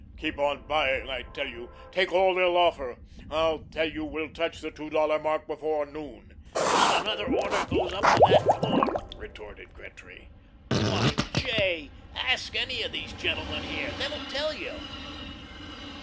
Keep on buying, I tell you. Take all they'll offer. I tell you we'll touch the two dollar mark before noon." "Not another order goes up to that floor," retorted Gretry. "Why, J., ask any of these gentlemen here. They'll tell you."